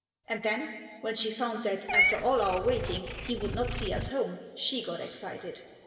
And then, when she found that, after all our waiting, he would not see us home, she got excited.